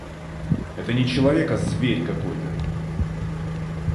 Это не человек, а зверь какой-то!